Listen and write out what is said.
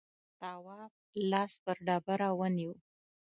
تواب لاس پر ډبره ونيو.